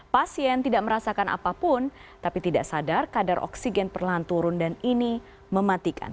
pasien tidak merasakan apapun tapi tidak sadar kadar oksigen perlahan turun dan ini mematikan